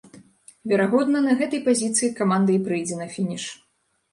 Верагодна, на гэтай пазіцыі каманда і прыйдзе на фініш.